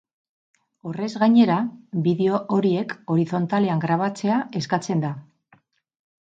Horrez gainera, bideo horiek horizontalean grabatzea eskatzen da.